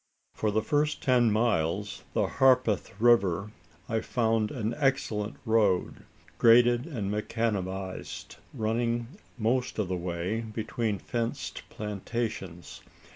For the first ten miles to Harpeth River I found an excellent road, graded and macadamised, running most of the way between fenced plantations.